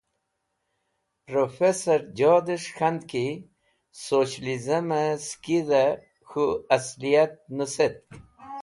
Profeso Jod es̃h k̃handki Socialism e Sikidhe K̃hu Asliyat Nusetk.